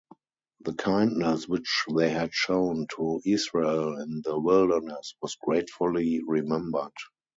The kindness which they had shown to Israel in the wilderness was gratefully remembered.